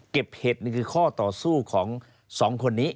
คือข้อต่อสู้ของสองคนนี้